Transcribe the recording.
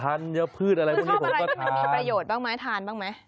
ทานพืชอะไรผมก็ทานคุณชอบอะไรที่มีประโยชน์บ้างมั้ยทานบ้างมั้ย